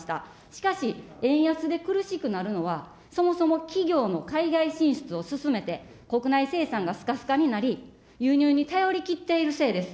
しかし、円安で苦しくなるのは、そもそも企業の海外進出を進めて、国内生産がすかすかになり、輸入に頼りきっているせいです。